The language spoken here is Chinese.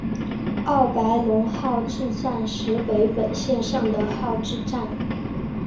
奥白泷号志站石北本线上的号志站。